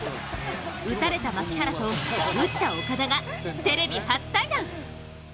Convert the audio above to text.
打たれた槙原と打った岡田がテレビ初対談。